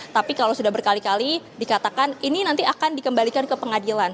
tapi kalau sudah berkali kali dikatakan ini nanti akan dikembalikan ke pengadilan